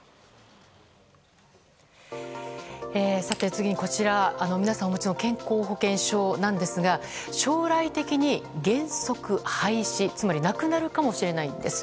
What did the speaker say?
次に、こちらは皆さんがお持ちの健康保険証なんですが将来的に、原則廃止つまりなくなるかもしれないんです。